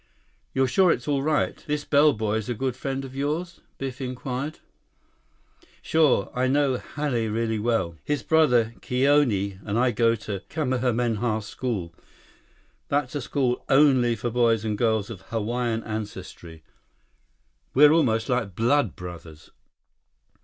"You're sure it's all right? This bellboy is a good friend of yours?" Biff inquired. "Sure. I know Hale real well. His brother, Kioni, and I go to Kamehameha School. That's a school only for boys and girls of Hawaiian ancestry. We're almost like blood brothers."